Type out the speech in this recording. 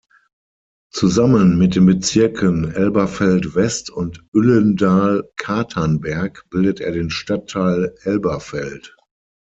Zusammen mit den Bezirken Elberfeld-West und Uellendahl-Katernberg bildet er den Stadtteil Elberfeld.